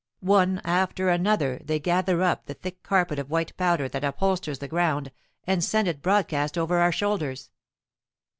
One after another, they gather up the thick carpet of white powder that upholsters the ground and send it broadcast over our shoulders!